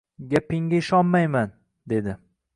— Gapingga ishonmayman, — dedi. —